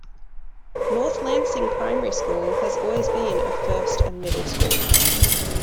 North Lancing Primary School has always been a first and middle school.